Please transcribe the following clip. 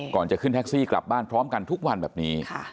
ก่อนจะขึ้นแท็กซี่กลับบ้านพร้อมกันทุกวันแบบนี้